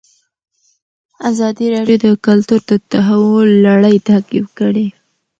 ازادي راډیو د کلتور د تحول لړۍ تعقیب کړې.